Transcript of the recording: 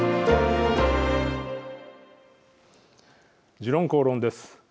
「時論公論」です。